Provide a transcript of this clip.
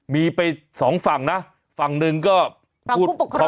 มีไปสองฝั่งนะฝั่งหนึ่งก็ฝั่งผู้ปกครอง